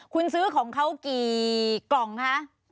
คุณซื้อของเขากี่กล่องคะ